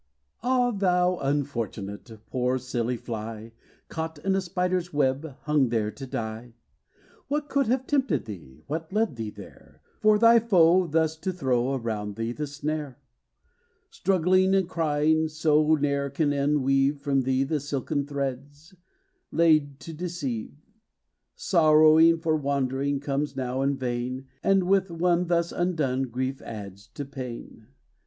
Ah, thou unfortunate! Poor, silly fly, Caught in the spider's web, Hung there to die! What could have tempted thee? What led thee there, For thy foe, thus to throw Around thee the snare? Struggling and crying so Ne'er can unweave From thee the silken threads, Laid to deceive. Sorrow for wandering Comes now in vain; And, with one thus undone, Grief adds to pain.